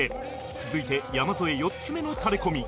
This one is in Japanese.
続いて山添４つ目のタレコミ